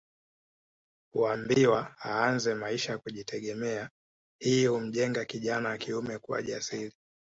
Huambiwa aanze maisha ya kujitegemea hii humjenga kijana wa kiume kuwa jasiri